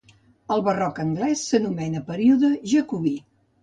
El barroc anglès s'anomena període jacobí.